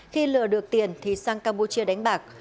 khi lừa được tiền thì sang campuchia đánh bạc